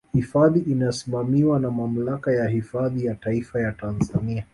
Hifadhi inasimamiwa na Mamlaka ya Hifadhi ya Taifa ya Tanzania